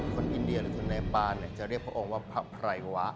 อินเดียหรือคนในบ้านจะเรียกพระองค์ว่าพระไพรวะ